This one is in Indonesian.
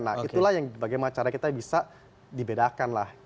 nah itulah yang bagaimana cara kita bisa dibedakan lah